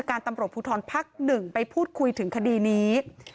กรบภูทรภักดิ์หนึ่งไปพูดคุยถึงคดีนี้